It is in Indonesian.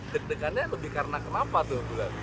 deg degannya lebih karena kenapa tuh